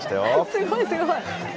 すごい、すごい。